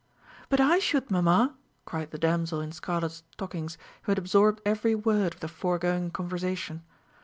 "But I should, mamma!" cried the damsel in scarlet stockings, who had absorbed every word of the foregoing conversation.